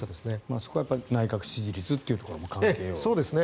そこは内閣支持率というところも関係を。